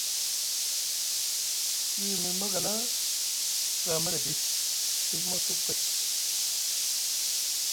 Suwi miŋ magala aga a mala edi ɗif ma a suɗuku kay.